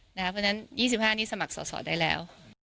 เพราะฉะนั้น๒๕นี้สมัครสอสอได้แล้ว